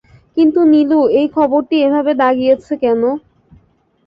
কিন্তু নীলু এই খবরটি এভাবে দাগিয়েছে কেন?